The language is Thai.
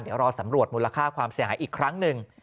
เดี๋ยวรอสำรวจมูลค่าความเสียหายอีกครั้งหนึ่ง